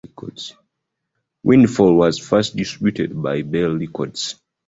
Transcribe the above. Windfall was first distributed by Bell Records.